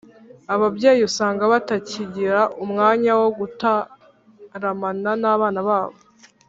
ababyeyi usanga batakigira umwanya wo gutaramana n’abana babo